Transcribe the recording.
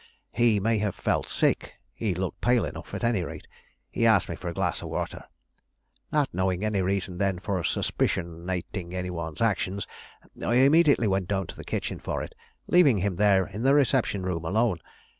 He may have felt sick, he looked pale enough; at any rate, he asked me for a glass of water. Not knowing any reason then for suspicionating any one's actions, I immediately went down to the kitchen for it, leaving him there in the reception room alone.